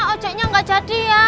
ojeknya nggak jadi ya